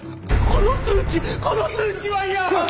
この数値この数値は嫌ーっ！